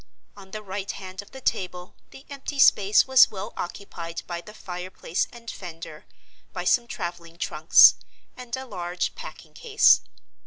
On the right hand of the table the empty space was well occupied by the fireplace and fender, by some traveling trunks, and a large packing case.